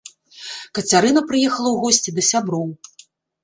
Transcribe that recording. Кацярына прыехала ў госці да сяброў.